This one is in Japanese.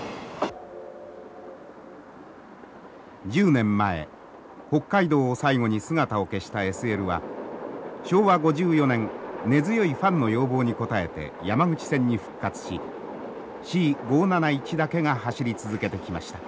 １０年前北海道を最後に姿を消したＳＬは昭和５４年根強いファンの要望に応えて山口線に復活しＣ５７１だけが走り続けてきました。